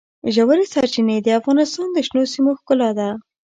ژورې سرچینې د افغانستان د شنو سیمو ښکلا ده.